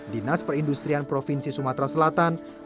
dinas perindustrian provinsi sumatera selatan